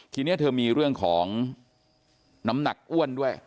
ทีนี้เธอมีเรื่องของน้ำหนักอ้วนด้วย